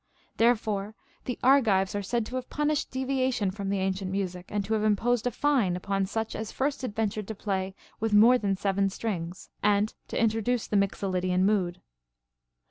Therefore the Argives are said to have punislied deviation from the ancient music, and to have imposed a fine upon such as first adventured to play with more than seven strings, and to introduce the Mixolydian mood.